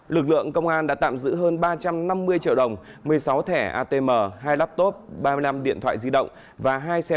lực lượng công an đã tạm giữ hơn ba trăm năm mươi triệu đồng một mươi sáu thẻ atm hai laptop ba mươi năm điện thoại di động và hai xe